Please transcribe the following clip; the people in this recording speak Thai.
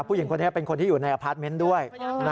ผู้หญิงคนนี้เป็นคนที่อยู่ในอพาร์ทเมนต์ด้วย